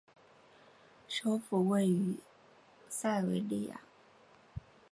首府位于塞维利亚。